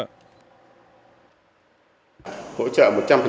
hỗ trợ một trăm linh kinh phí